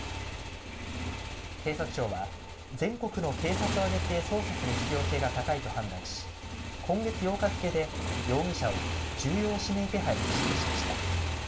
警察庁は全国の警察を挙げて捜査する必要性が高いと判断し今月８日付で容疑者を重要指名手配に指定しました。